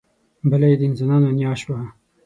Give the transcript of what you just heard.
بله یې د انسانانو نیا شوه.